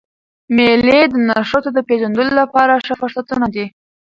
مېلې د نوښتو د پېژندلو له پاره ښه فرصتونه دي.